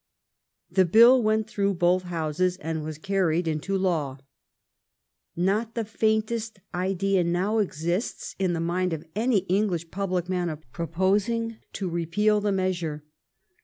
The bill went through both Houses, and was carried into law. Not the faintest idea now exists in the mind of any English public man of proposing to repeal the measure.